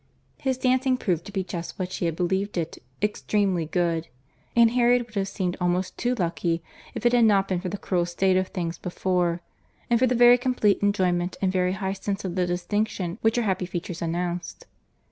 His dancing proved to be just what she had believed it, extremely good; and Harriet would have seemed almost too lucky, if it had not been for the cruel state of things before, and for the very complete enjoyment and very high sense of the distinction which her happy features announced.